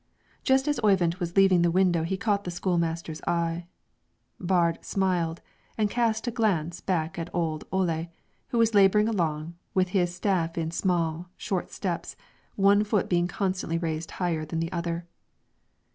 Just as Oyvind was leaving the window he caught the school master's eye, Baard smiled, and cast a glance back at old Ole, who was laboring along with his staff in small, short steps, one foot being constantly raised higher than the other.